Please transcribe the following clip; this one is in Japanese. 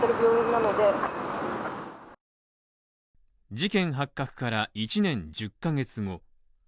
事件発覚から１年１０ヶ月後。